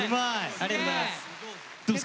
ありがとうございます。